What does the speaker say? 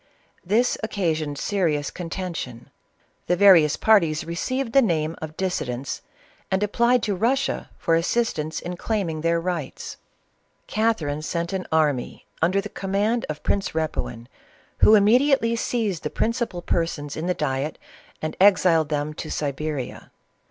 This occasioned serious contention ; the various parties re ceived the name of dissidents, and applied to Russia for assistance in claiming their rights. Catherine sent an army under the command of Prince Repuin, Who immediately seized the principal persons in the diet, and exiled them to Siberia.